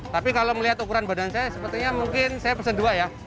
tapi kalau melihat ukuran badan saya sepertinya mungkin saya pesen dua ya